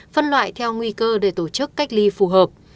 phân loại theo nguy cơ để tổ chức cách ly phù hợp